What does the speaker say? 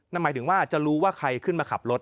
หมายถึงว่าจะรู้ว่าใครขึ้นมาขับรถ